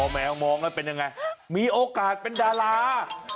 แมวมองแล้วเป็นยังไงมีโอกาสเป็นดารา